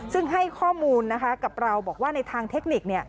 ซึ่งให้ข้อมูลนะคะกับเราบอกว่าในทางเทคนิค